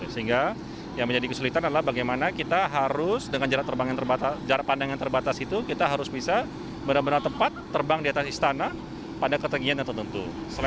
sehingga yang menjadi kesulitan adalah bagaimana kita harus dengan jarak pandang yang terbatas itu kita harus bisa benar benar tepat terbang di atas istana pada ketinggian yang tertentu